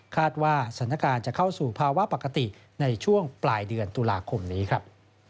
ว่าสถานการณ์จะเข้าสู่ภาวะปกติในช่วงปลายเดือนตุลาคมนี้ครับ